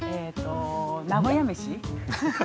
◆名古屋めし？